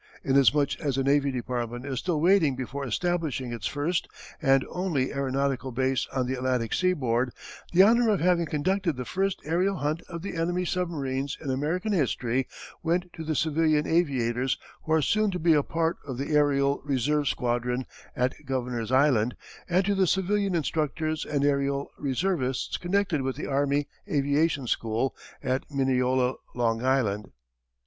Inasmuch as the Navy Department is still waiting before establishing its first and only aeronautical base on the Atlantic seaboard, the honour of having conducted the first aërial hunt of the enemy submarines in American history went to the civilian aviators who are soon to be a part of the Aërial Reserve Squadron at Governor's Island and to the civilian instructors and aërial reservists connected with the Army Aviation School at Mineola, Long Island.